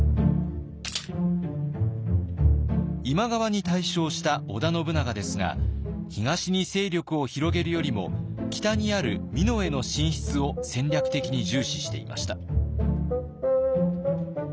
今川に大勝した織田信長ですが東に勢力を広げるよりも北にある美濃への進出を戦略的に重視していました。